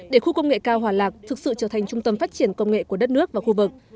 để khu công nghệ cao hòa lạc thực sự trở thành trung tâm phát triển công nghệ của đất nước và khu vực